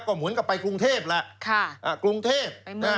ก็หมุนกับไปกรุงเทพกรุงเทพ